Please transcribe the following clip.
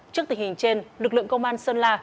trước tình hình trên lực lượng công an sơn la